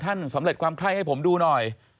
ท่านสำเร็จความไพร่ให้ผมดูหน่อย